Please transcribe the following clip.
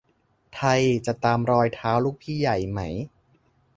ไทยจะตามรอยเท้าลูกพี่ใหญ่ไหม